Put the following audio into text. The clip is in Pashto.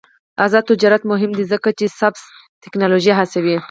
آزاد تجارت مهم دی ځکه چې سبز تکنالوژي هڅوي.